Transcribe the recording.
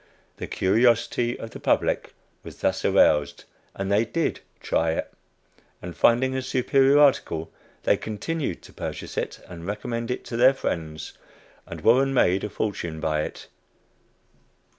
The curiosity of the public was thus aroused, and they did "try" it, and finding it a superior article, they continued to purchase it and recommend it to their friends, and Warren made a fortune by it.